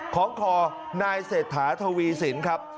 ของคอนายเศรษฐาทวีสินครับ